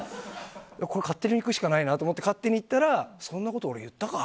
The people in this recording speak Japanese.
勝手に行くしかないなと思って勝手に行ったらそんなこと俺、言ったか？